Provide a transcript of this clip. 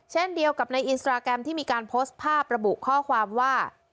เช่นเดียวกับในอินสตราแกรมที่มีการโพสต์ภาพระบุข้อความว่า